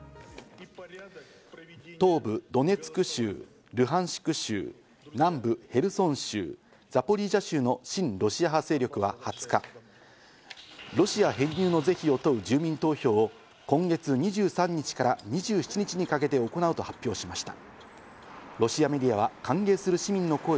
東部ドネツク州、ルハンシク州、南部ヘルソン州、ザポリージャ州の親ロシア派勢力は２０日、ロシア、住民投票を今月２３日から２７日にかけて行うと発表しました。